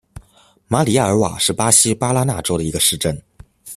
马里亚尔瓦是巴西巴拉那州的一个市镇。